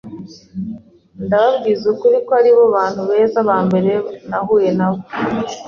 ndababwiza ukuri ko ari bo bantu beza ba mbere nahuye na bo.